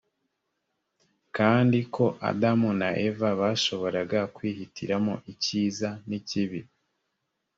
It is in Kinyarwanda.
kandi ko adamu na eva bashoboraga kwihitiramo icyiza n ikibi